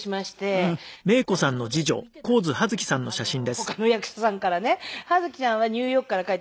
他の役者さんからね。はづきちゃんはニューヨークから帰って。